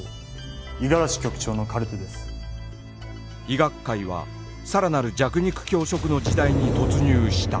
医学界はさらなる弱肉強食の時代に突入した